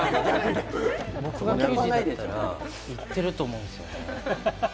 僕が球児だったら行っていると思うんですよね。